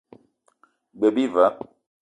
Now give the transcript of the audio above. G-beu bi va.